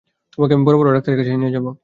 তোমাকে আমি বড়-বড় ডাক্তারের কাছে নিয়ে যাব।